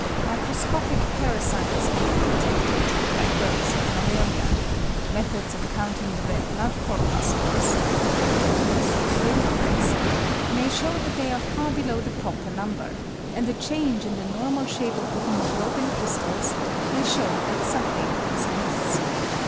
Microscopic parasites may be detected, like those of malaria; methods of counting the red blood corpuscles (man has trillions I) may show that they are far below the proper number; and a change in the normal shape of the haemoglobin crystals may show that something is amiss.